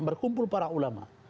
berkumpul para ulama